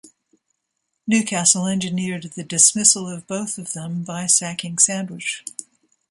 Newcastle engineered the dismissal of both of them, by sacking Sandwich.